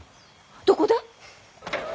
どこで？